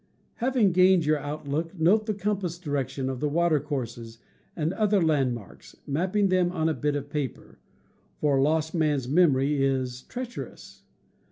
Having gained your outlook, note the compass direc tion of watercourses and other landmarks, mapping them on a bit of paper, for a lost man's memory is treacherous.